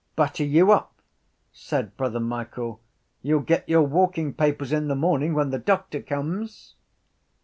—Butter you up! said Brother Michael. You’ll get your walking papers in the morning when the doctor comes.